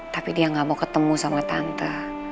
tapi dia gak mau ketemu sama tante